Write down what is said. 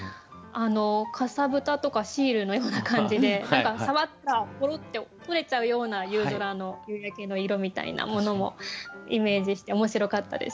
かさぶたとかシールのような感じで触ったらぽろって取れちゃうような夕空の夕焼けの色みたいなものもイメージして面白かったです。